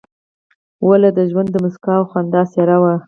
ولو د ژوند د موسکا او خندا څېره وه.